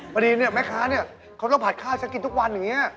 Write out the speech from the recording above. พอดีแม่คะนี่เขาต้องผัดฆ่าซักกินทุกวันอย่างนี้